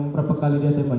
berapa kali dia tembak